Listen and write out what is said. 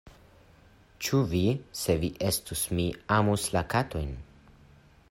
“Ĉu vi, se vi estus mi, amus la katojn?”